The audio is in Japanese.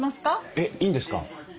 えっいいんですか？